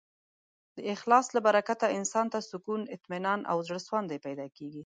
د اخلاص له برکته انسان ته سکون، اطمینان او زړهسواندی پیدا کېږي.